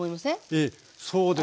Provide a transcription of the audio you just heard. ええそうです。